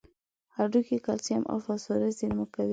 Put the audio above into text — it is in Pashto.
هډوکي کلسیم او فاسفورس زیرمه کوي.